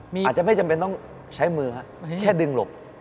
อาจจะไม่จำเป็นต้องใช้มือครับแค่ดึงหลบ